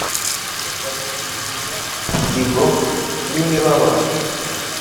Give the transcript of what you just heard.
bagacikiza inzigo ni imibabaro